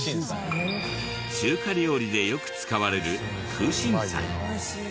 中華料理でよく使われる空心菜。